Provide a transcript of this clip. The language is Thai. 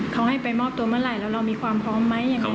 เขาให้ไปมอบตัวเมื่อไหร่แล้วเรามีความพร้อมไหมยังไง